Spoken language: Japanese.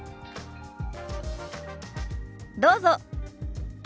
どうぞ。